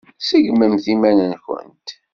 Seggmemt iman-nkent.